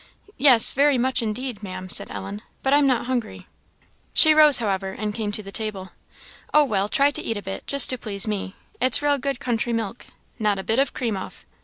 "Yes, very much indeed, Maam," said Ellen; "but I'm not hungry." She rose, however, and came to the table. "Oh, well, try to eat a bit, just to please me. It's real good country milk not a bit of cream off.